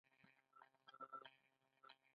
مکسیموس د امپراتورۍ پر تخت کېناست